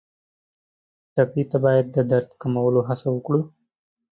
ټپي ته باید د درد کمولو هڅه وکړو.